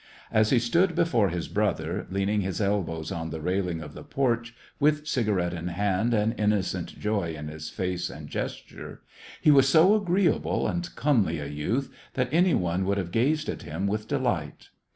As he stood before his brother, leaning his elbows on the railing of the porch, with cigarette in hand and innocent joy in his face and gesture, he was so agreeable and comely a youth that any one would have gazed at him with delight.